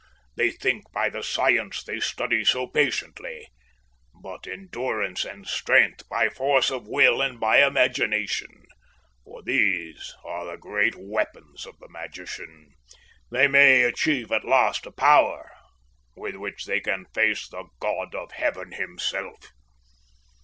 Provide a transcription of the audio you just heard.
They think by the science they study so patiently, but endurance and strength, by force of will and by imagination, for these are the great weapons of the magician, they may achieve at last a power with which they can face the God of Heaven Himself."